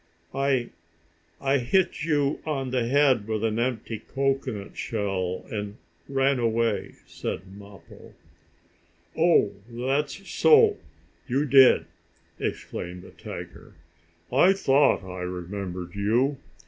"I I hit you on the head with an empty cocoanut shell and ran away," said Mappo. "Oh, that's so. You did!" exclaimed the tiger. "I thought I remembered you.